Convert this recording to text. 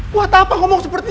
buat apa ngomong seperti